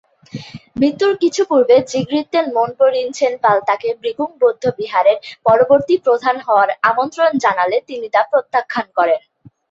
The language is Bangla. মৃত্যুর কিছু পূর্বে 'জিগ-র্তেন-ম্গোন-পো-রিন-ছেন-দ্পাল তাকে 'ব্রি-কুং বৌদ্ধবিহারের পরবর্তী প্রধান হওয়ার আমন্ত্রণ জানালে তিনি তা প্রত্যাখ্যান করেন।